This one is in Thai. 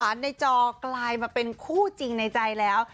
ในจอกลายมาเป็นคู่จริงในใจแล้ว